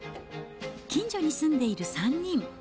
近所に住んでいる３人。